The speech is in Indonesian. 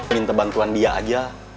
minta bantuan dia aja